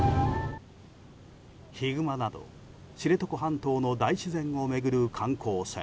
ヒグマなど、知床半島の大自然を巡る観光船。